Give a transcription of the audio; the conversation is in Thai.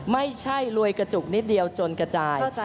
ไม่ใช่รวยกระจุกนิดเดียวจนกระจาย